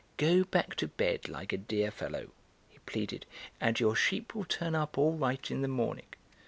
"Go back to bed like a dear fellow," he pleaded, "and your sheep will turn up all right in the morning."